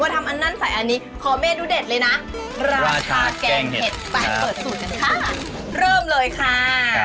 ว่าทำอันนั้นสายอันนี้คอเมตดูเด็ดเลยนะราชาแกงเห็ดไปเปิดสูตรกันค่ะ